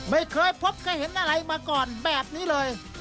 ไม่เคยพบเคยเห็นอะไรมาก่อนแบบนี้เลย